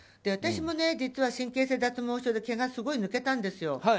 私も実は神経性脱毛症で毛がすごい抜けたんですよ。